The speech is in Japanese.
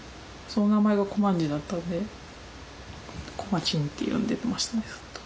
その名前がこまんじだったんでこまちんって呼んでましたねずっと。